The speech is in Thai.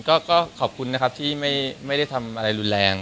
ก็ขอบคุณนะครับที่ไม่ได้ทำอะไรรุนแรง